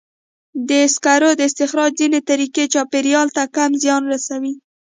د سکرو د استخراج ځینې طریقې چاپېریال ته کم زیان رسوي.